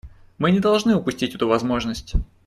Мы не должны упустить эту возможность.